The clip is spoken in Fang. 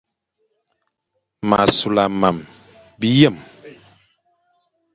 M a sula mam, biyem,